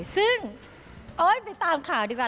ซึ่งโอ๊ยไปตามข่าวดีกว่า